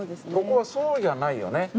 ここはそうじゃないよね。